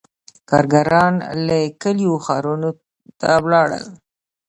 • کارګران له کلیو ښارونو ته ولاړل.